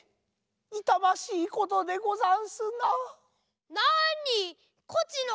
いたましいことでござんすなぁ。